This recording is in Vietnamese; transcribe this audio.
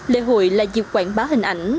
lễ hội là dịp quảng bá hình ảnh